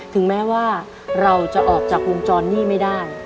ถึงแม้ว่าเราจะออกจากวงจรหนี้ไม่ได้